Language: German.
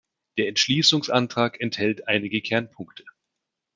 Der Entschließungsantrag enthält einige Kernpunkte.